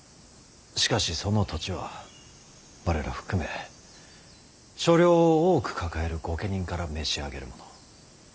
しかしその土地は我ら含め所領を多く抱える御家人から召し上げるもの。